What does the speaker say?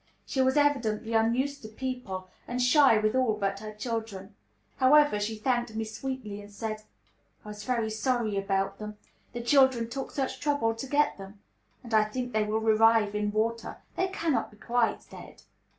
She was evidently unused to people, and shy with all but her children. However, she thanked me sweetly, and said, "I was very sorry about them. The children took such trouble to get them; and I think they will revive in water. They cannot be quite dead."